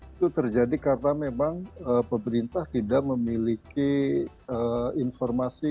itu terjadi karena memang pemerintah tidak memiliki informasi